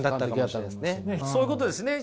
そういうことですね。